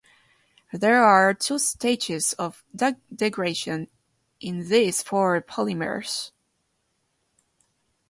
There are two stages of degradation in these four polymers.